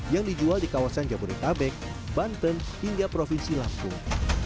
yang dijual di kawasan jabodetabek banten hingga provinsi lampung